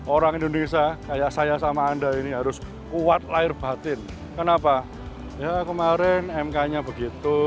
orang indonesia kayak saya sama anda ini harus kuat lahir batin kenapa ya kemarin mk nya begitu